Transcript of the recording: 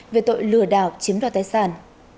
về tội lừa đảo chiếm đoạt tài sản